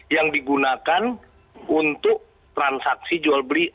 yang digunakan untuk transaksi jual beli